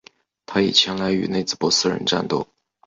他已前来与内兹珀斯人战斗。